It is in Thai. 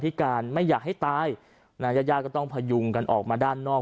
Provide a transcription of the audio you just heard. พิการไม่อยากให้ตายนายาก็ต้องพายุงกันออกมาด้านนอก